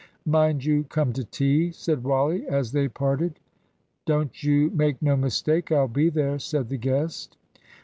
"Mind you come to tea," said Wally, as they parted. "Don't you make no mistake, I'll be there," said the guest.